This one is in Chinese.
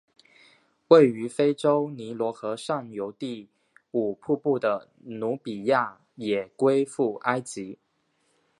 位于非洲尼罗河上游第五瀑布的努比亚也归附埃及。